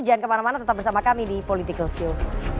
jangan kemana mana tetap bersama kami di political show